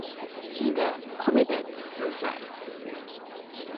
He then committed suicide.